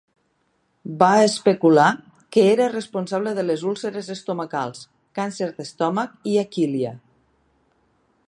Va especular que era responsable de les úlceres estomacals, càncer d'estómac i aquília.